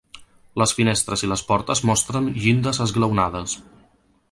Les finestres i les portes mostren llindes esglaonades.